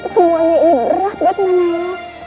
semuanya ini berat buat mbak naya